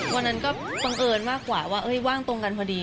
วันนั้นก็บังเอิญมากกว่าว่าว่างตรงกันพอดี